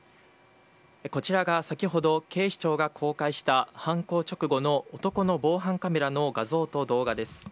こちらが先ほど、警視庁が公開した犯行直後の男の防犯カメラの画像と動画です。